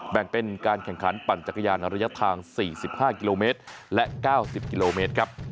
แบ่งเป็นการแข่งขันปั่นจักรยานระยะทาง๔๕กิโลเมตรและ๙๐กิโลเมตรครับ